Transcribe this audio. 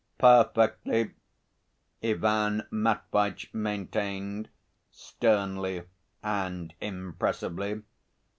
"Perfectly," Ivan Matveitch maintained sternly and impressively.